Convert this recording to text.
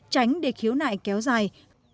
tránh để khiếu nại kéo dài